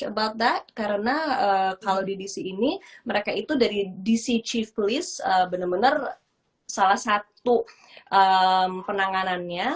about that karena kalau di dc ini mereka itu dari dc chief please benar benar salah satu penanganannya